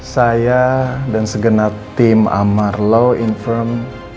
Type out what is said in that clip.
saya dan segena tim amar law infirm